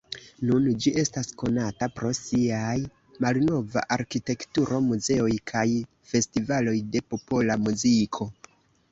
Nun ĝi estas konata pro siaj malnova arkitekturo, muzeoj kaj festivaloj de popola muziko.